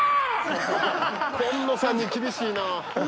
今野さんに厳しいな。